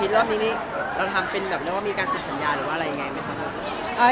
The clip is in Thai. เรียกว่ามีการเชิญสัญญาหรือว่าอะไรยังไง